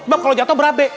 mbak kalau jatuh berabe